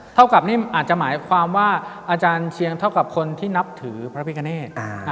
เท่ากับนี่อาจจะหมายความว่าอาจารย์เชียงเท่ากับคนที่นับถือพระพิกาเนต